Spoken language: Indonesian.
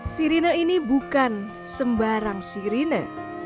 sirine ini bukan sembarang sirine